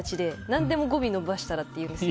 何でも語尾伸ばしたらって言うんです。